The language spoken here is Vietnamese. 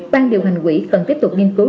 ban điều hành quỹ cần tiếp tục nghiên cứu